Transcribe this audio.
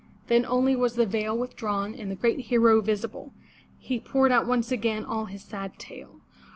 Then only was the veil withdrawn and the great hero visible. He poured out once again all his sad tale.